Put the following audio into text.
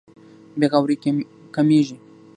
بې غوري کمېږي.